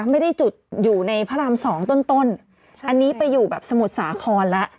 ไม่ได้จุดอยู่ในพระรามสองต้นต้นอันนี้ไปอยู่แบบสมุทรสาครแล้ว